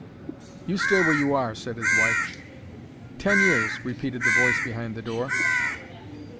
"You stay where you are," said his wife. "Ten years," repeated the voice behind the door.